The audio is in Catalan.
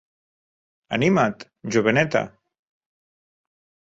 Anima't, joveneta!